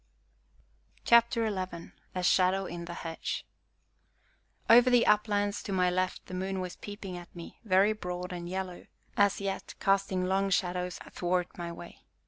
CHAPTER XI A SHADOW IN THE HEDGE Over the uplands, to my left, the moon was peeping at me, very broad and yellow, as yet, casting long shadows athwart my way.